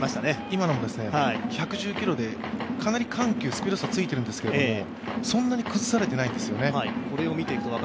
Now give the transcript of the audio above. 今のも、１１０キロでかなり緩急、スピード差がついているんですがそんなに崩されていないんですよね。